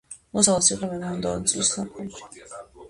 მოსავალს იღებენ მომდევნო წლის ზაფხულში.